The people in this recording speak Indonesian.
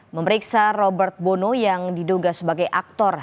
memeriksa robert bono yang diduga sebagai aktor